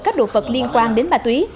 các đồ vật liên quan đến ma túy